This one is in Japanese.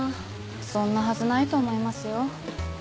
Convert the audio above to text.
そんなはずないと思いますよ。